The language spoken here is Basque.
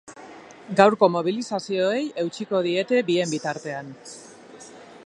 Gaurko mobilizazioei eutsiko diete bien bitartean.